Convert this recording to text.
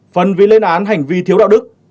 phần vì lên án hành vi thiếu đạo đức